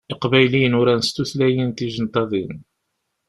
Iqbayliyen uran s tutlayin tijenṭaḍin.